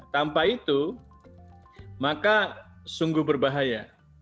tanpa itu maka sungguh berbahaya